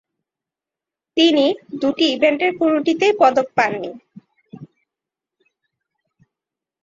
তিনি দুটি ইভেন্টের কোনটিতেই পদক পাননি।